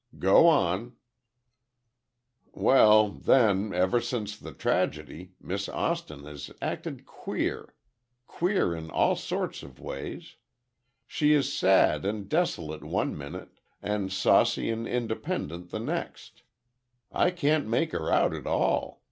"Go on." "Well, then, ever since the tragedy, Miss Austin has acted queer. Queer in all sorts of ways. She is sad and desolate one minute, and saucy and independent the next. I can't make her out at all.